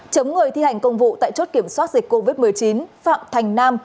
chống người thi hành công vụ tại chốt kiểm soát dịch covid một mươi chín phạm thành nam